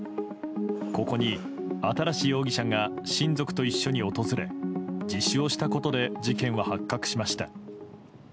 ここに新容疑者が親族と一緒に訪れ自首をしたことで事件は発覚しました。